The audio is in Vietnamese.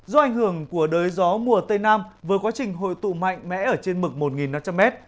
do ảnh hưởng của đới gió mùa tây nam với quá trình hội tụ mạnh mẽ ở trên mực một năm trăm linh m